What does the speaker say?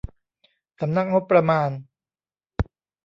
สำนักงบประมาณ